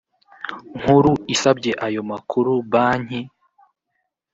nkuru isabye ayo makuru banki